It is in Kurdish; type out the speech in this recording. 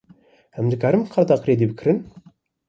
Em dikarin bi karta krediyê bikirin?